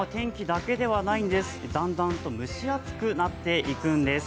だんだんと蒸し暑くなっていくんです。